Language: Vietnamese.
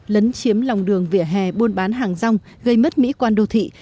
lấn chiếm lòng đường vỉa hè buôn bán hàng rong gây mất mỹ quan đô thị